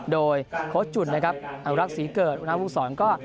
โดยโค้ชจุ่นนะครับอนุรักษ์ศรีเกิร์ตอุณหภูมิสวรรค์ก็